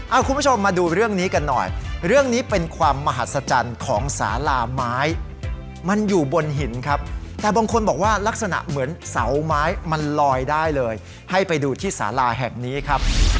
คุณผู้ชมมาดูเรื่องนี้กันหน่อยเรื่องนี้เป็นความมหัศจรรย์ของสาลาไม้มันอยู่บนหินครับแต่บางคนบอกว่าลักษณะเหมือนเสาไม้มันลอยได้เลยให้ไปดูที่สาลาแห่งนี้ครับ